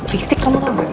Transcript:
risik kamu tau gak